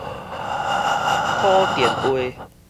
鼓電話